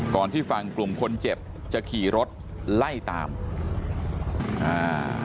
ที่ฝั่งกลุ่มคนเจ็บจะขี่รถไล่ตามอ่า